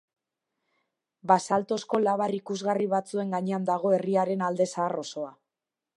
Basaltozko labar ikusgarri batzuen gainean dago herriaren alde zahar osoa.